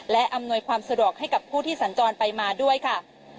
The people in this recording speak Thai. และอำนวยความสะดวกให้กับผู้ที่สัญจรไปมาด้วยค่ะ